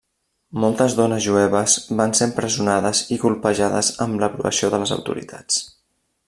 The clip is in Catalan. Moltes dones jueves van ser empresonades i colpejades amb l'aprovació de les autoritats.